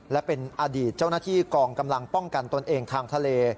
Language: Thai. และเป็นอดีตเจ้าหน้าที่กองกำลังป้องกันตนเองทางทะเล